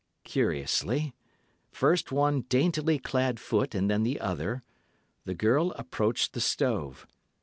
"Cautiously—first one daintily clad foot and then the other—the girl approached the stove.